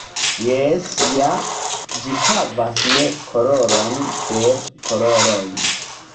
Jes ja, ĝi havas ne koloron, sed kolorojn.